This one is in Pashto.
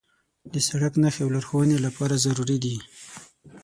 د سړک نښې د لارښوونې لپاره ضروري دي.